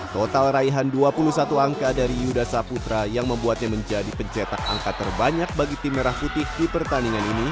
total raihan dua puluh satu angka dari yuda saputra yang membuatnya menjadi pencetak angka terbanyak bagi tim merah putih di pertandingan ini